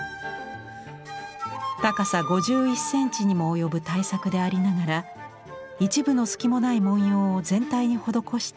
高さ５１センチにも及ぶ大作でありながら一分の隙もない文様を全体に施した巧みなデザイン。